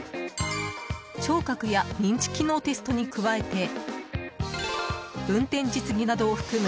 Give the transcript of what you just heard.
聴覚や認知機能テストに加えて運転実技などを含む